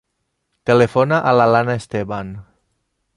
Telefona a l'Alana Esteban.